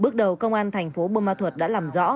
bước đầu công an thành phố bô ma thuật đã làm rõ